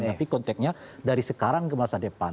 tapi konteknya dari sekarang ke masa depan